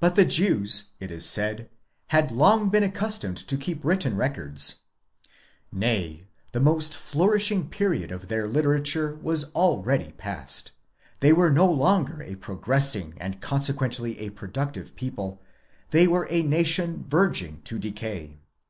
But the Jews, it is said, had long been accustomed to keep written records ; nay, the most flourishing period of their literature was already past, they were no longer a progressing and consequently a productive people, they were a nation verging to decay.